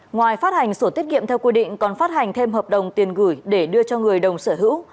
ngoài phát hành sổ tiết kiệm theo quy định còn phát hành thêm hợp đồng tiền gửi để đưa cho người đồng sở hữu